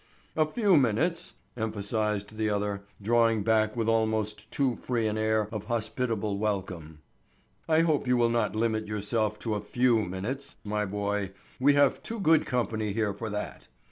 "A few minutes," emphasized the other, drawing back with almost too free an air of hospitable welcome. "I hope you will not limit yourself to a few minutes, my boy; we have too good company here for that."